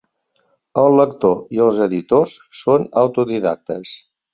El lector i els editors són autodidactes.